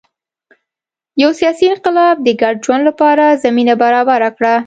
یو سیاسي انقلاب د ګډ ژوند لپاره زمینه برابره کړه.